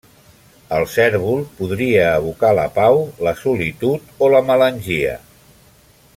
El cérvol podria evocar la pau, la solitud o la melangia.